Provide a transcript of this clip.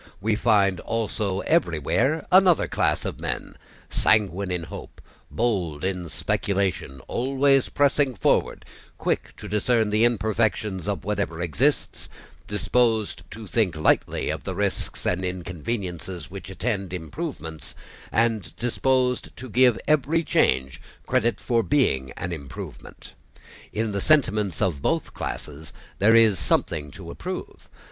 We find also everywhere another class of men, sanguine in hope, bold in speculation, always pressing forward, quick to discern the imperfections of whatever exists, disposed to think lightly of the risks and inconveniences which attend improvements and disposed to give every change credit for being an improvement. In the sentiments of both classes there is something to approve.